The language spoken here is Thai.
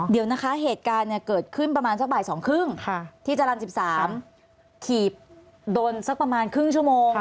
เดี๋ยวนะคะเหตุการณ์เกิดขึ้นประมาณสักบ่าย๒๓๐ที่จรรย์๑๓ขีบโดนสักประมาณครึ่งชั่วโมง